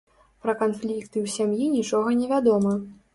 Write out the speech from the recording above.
Пра канфлікты ў сям'і нічога невядома.